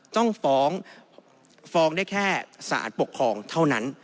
ต้องฟ้องฟ้องได้แค่สารปกครองเท่านั้น